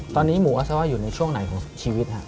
ตอนนี้หมูอัสซาว่าอยู่ในช่วงไหนของชีวิตฮะ